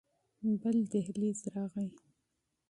بل دهليز راغى.